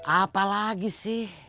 apa lagi sih